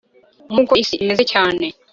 nkuko isi imezecyane